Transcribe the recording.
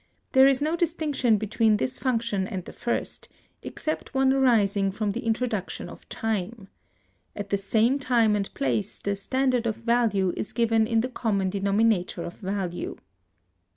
There is no distinction between this function and the first, except one arising from the introduction of time. At the same time and place, the "standard of value" is given in the common denominator of value.